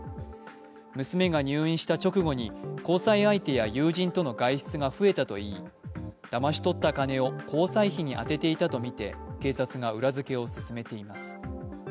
娘が入院した直後に交際相手や友人との外出が増えたといい、だまし取った金を交際費に充てていたとみて、警察が裏付けを進めています。